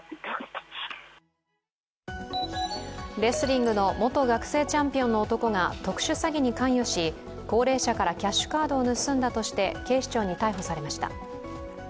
レスリングの元学生チャンピオンの男が特殊詐欺に関与し、高齢者からキャッシュカードを盗んだとして警視庁に逮捕されました。